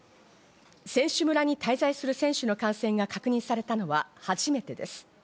選手村に滞在する選手の感染が確認されたのは初めてです。